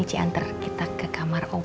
ini cik antar kita ke kamar oma